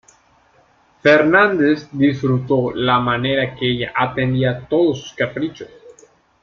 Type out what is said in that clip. Fernández disfrutó la manera que ella atendía todos sus caprichos.